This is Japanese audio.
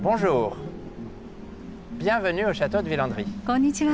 こんにちは。